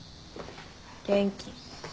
元気。